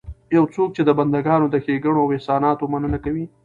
يو څوک چې د بنده ګانو د ښېګړو او احساناتو مننه نه کوي